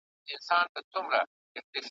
چي شعر له نثر څخه بېلوي `